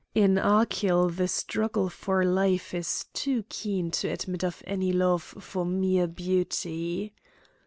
In Achill the struggle for life is too keen to admit of any love for mere beauty.